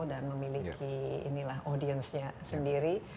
dan memiliki inilah audiensnya sendiri